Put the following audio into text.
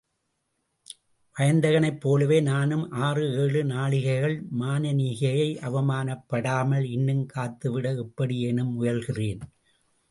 வயந்தகனைப் போலவே நானும் ஆறு ஏழு நாழிகைகள் மானனீகை அவமானப்படாமல் இன்னும் காத்துவிட எப்படியேனும் முயல்கிறேன்.